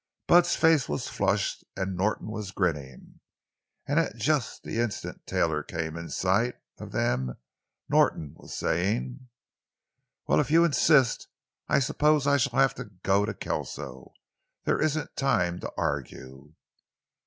Bud's face was flushed and Norton was grinning. And at just the instant Taylor came in sight of them Norton was saying: "Well, if you insist, I suppose I shall have to go to Kelso. There isn't time to argue."